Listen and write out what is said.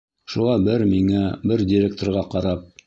Шуға бер миңә, бер директорға ҡарап: